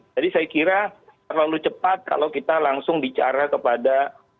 jadi saya kira terlalu cepat kalau kita langsung bicara kepada